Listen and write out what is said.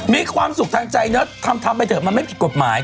มีความสุขทางใจเนอะทำไปเถอะมันไม่ผิดกฎหมาย